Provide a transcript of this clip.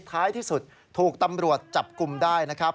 ท้ายที่สุดถูกตำรวจจับกลุ่มได้นะครับ